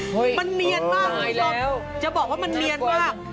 มันมีเมียนมากจะบอกว่ามันมีเมียนมาก